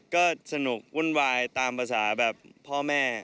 ก็สนุกวุ่นวายตามภาษาแบบพ่อแม่